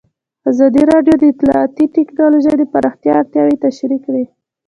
ازادي راډیو د اطلاعاتی تکنالوژي د پراختیا اړتیاوې تشریح کړي.